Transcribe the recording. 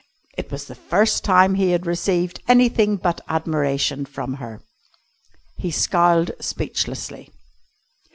It was the first time he had received anything but admiration from her. He scowled speechlessly.